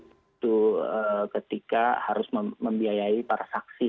itu ketika harus membiayai para saksi